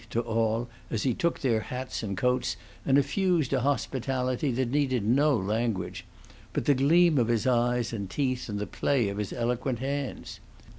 to all, as he took their hats and coats, and effused a hospitality that needed no language but the gleam of his eyes and teeth and the play of his eloquent hands.